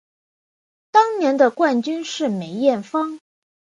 当年的冠军是梅艳芳。